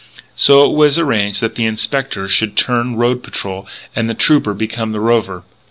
So it was arranged that the Inspector should turn road patrol and the Trooper become the rover.